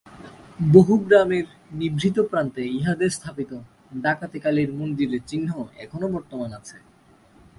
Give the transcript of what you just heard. বহু গ্রামের নিভৃত প্রান্তে ইহাদের স্থাপিত ডাকাতে-কালীর মন্দিরের চিহ্ন এখনও বর্তমান আছে।